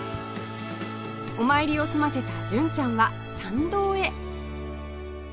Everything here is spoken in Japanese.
お参りを済ませた純ちゃんは参道へ